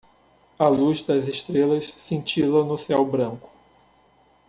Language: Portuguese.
A luz das estrelas cintila no céu branco